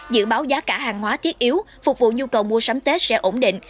dự báo giá cả hàng hóa thiết yếu phục vụ nhu cầu mua sắm tết sẽ ổn định